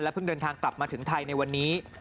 เพิ่งเดินทางกลับมาถึงไทยในวันนี้